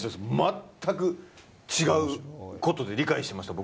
全く違うことで理解してました、僕。